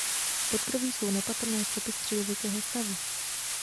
V podkroví jsou nepatrné stopy středověkého stavu.